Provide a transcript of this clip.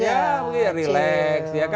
ya mungkin ya relax